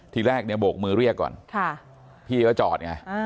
ทีแรกเนี่ยโบกมือเรียกก่อนพี่ก็จอดไง